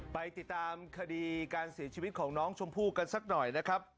ไปติดตามคดีการเสียชีวิตของน้องชมพู่กันสักหน่อยนะครับ